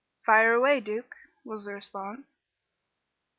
"Fire away, Duke," was the response.